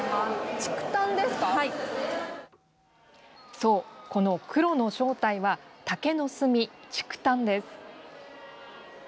そう、この黒の正体は竹の炭、竹炭です。